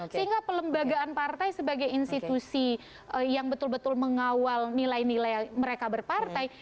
sehingga pelembagaan partai sebagai institusi yang betul betul mengawal nilai nilai mereka berpartai